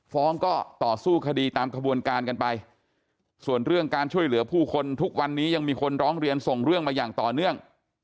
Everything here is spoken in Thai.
ฟ้องก็ต่อสู้คดีตามขบวนการกันไปส่วนเรื่องการช่วยเหลือผู้คนทุกวันนี้ยังมีคนร้องเรียนส่งเรื่องมาอย่างต่อเนื่อง